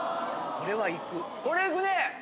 これいくね！